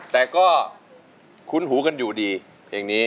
แต่ก็คุ้นหูกันอยู่ดีเพลงนี้